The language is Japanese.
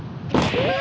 うわ！